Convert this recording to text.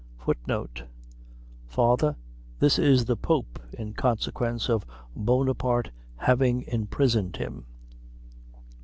* This is the Pope, in consequence of Bonaparte having imprisoned him.